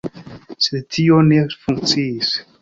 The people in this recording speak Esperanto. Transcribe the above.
Sed tio ne funkciis.